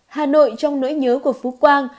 hà nội trong nỗi nhớ của phú quang